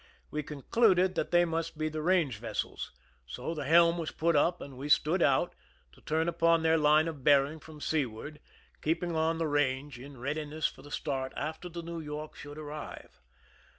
We concluded that they must be the range vessels; so the helm was put up, and we stood out, to turn upon their line of bearing from seaward, keeping on the range, in readiness for the start after the Neiv York should arrive.